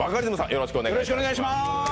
よろしくお願いします